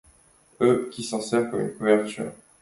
E qui s'en sert comme couverture.